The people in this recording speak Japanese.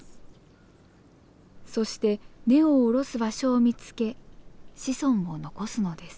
そして根を下ろす場所を見つけ子孫を残すのです。